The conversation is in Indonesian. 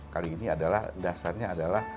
kali ini adalah dasarnya adalah